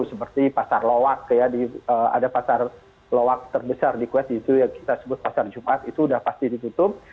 seperti pasar lowak ada pasar lowak terbesar di kue itu yang kita sebut pasar jumat itu sudah pasti ditutup